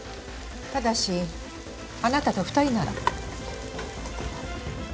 ただしあなたと２人なら。